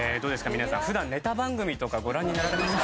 皆さん普段ネタ番組とかご覧になられますか？